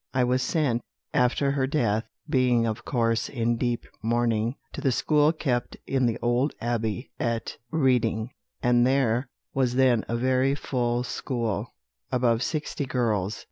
I was sent, after her death, being of course in deep mourning, to the school kept in the old Abbey at Reading, and there was then a very full school, above sixty girls.